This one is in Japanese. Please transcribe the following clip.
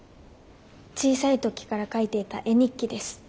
小さい時から描いていた絵日記です。